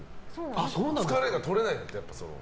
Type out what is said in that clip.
疲れがとれないんだって。